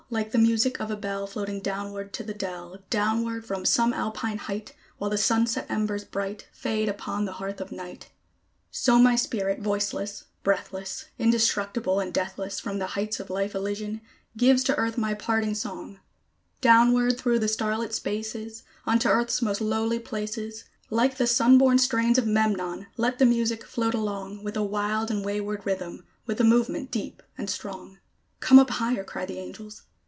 Like the music of a bell Floating downward to the dell Downward from some Alpine height, While the sunset embers bright, Fade upon the hearth of night; So my spirit, voiceless breathless, Indestructible and deathless, From the heights of Life Elysian gives to Earth my parting song; Downward through the star lit spaces, Unto Earth's most lowly places, Like the sun born strains of Memnon, let the music float along, With a wild and wayward rhythm, with a movement deep and strong. "Come up higher!" cry the angels.